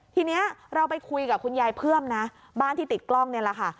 ทีนี้เราไปคุยกับคุณยายเพิ่มนะบ้านที่ติดกล้องนี่แหละค่ะ